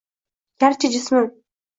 Garchi jismim